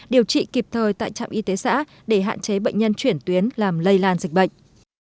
điều trị kịp thời tại trạm y tế xã để hạn chế bệnh nhân chuyển tuyến làm lây lan dịch bệnh